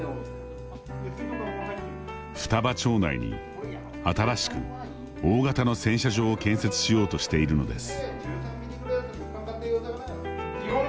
双葉町内に新しく大型の洗車場を建設しようとしているのです。